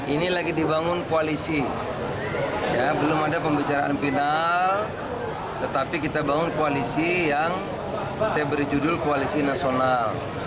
ini lagi dibangun koalisi belum ada pembicaraan final tetapi kita bangun koalisi yang saya beri judul koalisi nasional